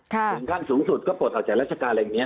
ถึงขั้นสูงสุดก็ปลดออกจากราชการอะไรอย่างนี้